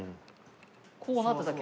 こうなっただけ。